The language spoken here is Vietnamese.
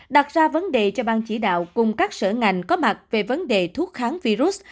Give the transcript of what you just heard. đặt ra vấn đề cho ban chỉ đạo cùng các sở ngành có mặt về vấn đề thuốc kháng virus